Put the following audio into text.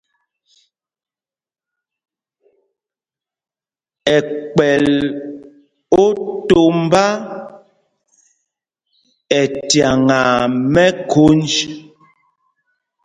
Ɛkpɛl otombá ɛ cyaŋaa mɛkhōnj.